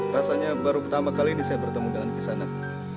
rasanya baru pertama kali ini saya bertemu dengan kisaran